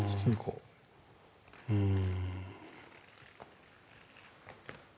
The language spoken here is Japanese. うん。